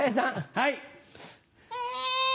はい。